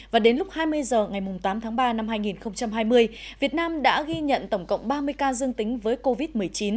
và đến lúc hai mươi h ngày tám tháng ba năm hai nghìn hai mươi việt nam đã ghi nhận tổng cộng ba mươi ca dương tính với covid một mươi chín